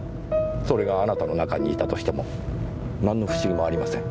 それがあなたの中にいたとしても何の不思議もありません。